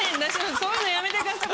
そういうのやめてください。